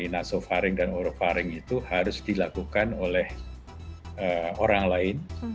nasofaring dan orofaring itu harus dilakukan oleh orang lain